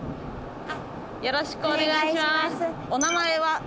よろしくお願いします。